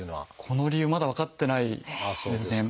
この理由まだ分かってないんですね。